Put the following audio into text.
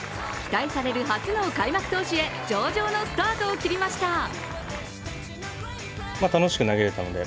期待される初の開幕投手へ上々のスタートを切りました。